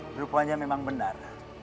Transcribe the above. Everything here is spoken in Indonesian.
berupanya memang benar